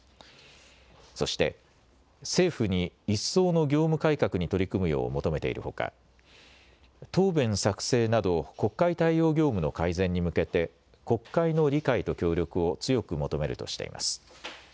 そして政府に一層の業務改革に取り組むよう求めているほか答弁作成など国会対応業務の改善に向けて国会の理解と協力を強く求めるとしています。